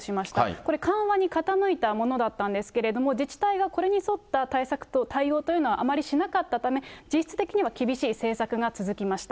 これ、緩和に傾いたものだったんですけれども、自治体がこれに沿った対応というのはあまりしなかったため、実質的には厳しい政策が続きました。